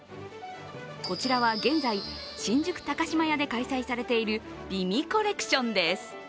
こちらは現在、新宿高島屋で開催されている美味コレクションです。